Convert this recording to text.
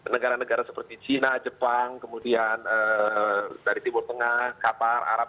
negara negara seperti cina jepang kemudian dari timur tengah qatar arab